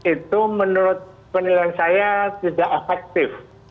itu menurut penilaian saya tidak efektif